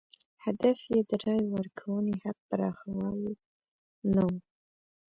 هدف یې د رایې ورکونې حق پراخوال نه و.